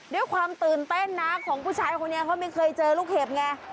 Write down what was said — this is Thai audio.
ด้วยความตื่นเต้นนะของผู้ชายคนนี้เขาไม่เคยเจอลูกเห็บไง